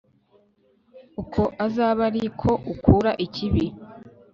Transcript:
uko azabe ari ko ukura ikibi